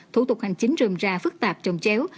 thủ tục hành chính rơm ra phức tạp trồng chéo